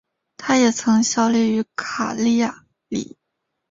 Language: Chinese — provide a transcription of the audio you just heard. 他也曾效力于卡利亚里。